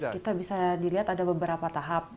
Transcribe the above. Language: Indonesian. kita bisa dilihat ada beberapa tahap